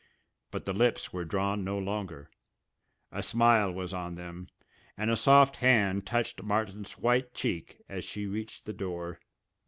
But the lips were drawn no longer a smile was on them, and a soft hand touched Martin's white cheek as she reached the door.